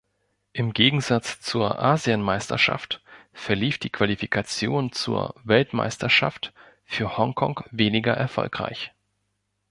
Im Gegensatz zur Asienmeisterschaft verlief die Qualifikation zur Weltmeisterschaft für Hongkong weniger erfolgreich.